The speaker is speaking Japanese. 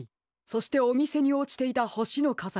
そしておみせにおちていたほしのかざり。